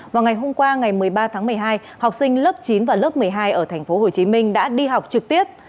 vào ngày hôm qua ngày một mươi ba tháng một mươi hai học sinh lớp chín và lớp một mươi hai ở tp hcm đã đi học trực tiếp